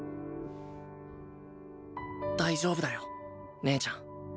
大丈夫だよ姉ちゃん